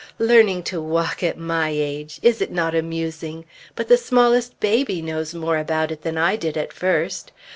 Learning to walk at my age! Is it not amusing? But the smallest baby knows more about it than I did at first.